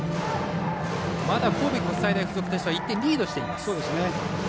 神戸国際大付属としては１点リードしています。